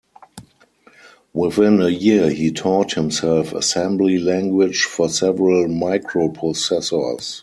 Within a year he taught himself assembly language for several microprocessors.